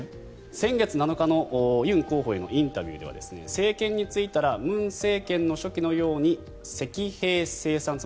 先月７日のユン候補へのインタビューでは政権に就いたら文政権の初期のように積弊清算